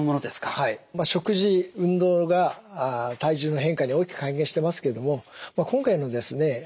はい食事運動が体重の変化に大きく関係してますけども今回のですね